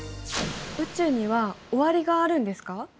宇宙には終わりがあるんですか？